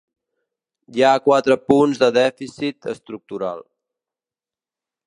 Hi ha quatre punts de dèficit estructural.